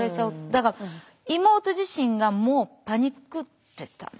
だから妹自身がもうパニクってたんです。